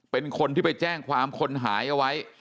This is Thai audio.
เป็นคนที่ไปแจ้งความคนหายเอาไว้